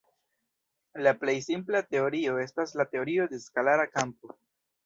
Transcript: La plej simpla teorio estas la teorio de skalara kampo.